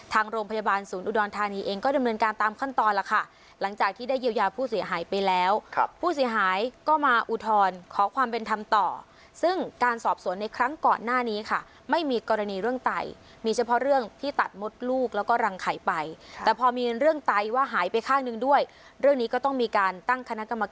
ทางโรงพยาบาลศูนย์อุดรธานีเองก็ดำเนินการตามขั้นตอนแล้วค่ะหลังจากที่ได้เยียวยาผู้เสียหายไปแล้วครับผู้เสียหายก็มาอุทธรณ์ขอความเป็นธรรมต่อซึ่งการสอบสวนในครั้งก่อนหน้านี้ค่ะไม่มีกรณีเรื่องไตมีเฉพาะเรื่องที่ตัดมดลูกแล้วก็รังไข่ไปแต่พอมีเรื่องไตว่าหายไปข้างหนึ่งด้วยเรื่องนี้ก็ต้องมีการตั้งคณะกรรม